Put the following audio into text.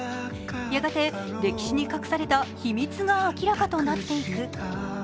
やがて、歴史に隠された秘密が明らかとなっていく。